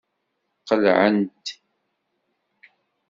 Qelɛent.